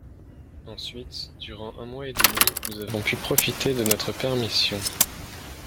Ensuite durant un mois et demi nous avons pu profiter de notre permission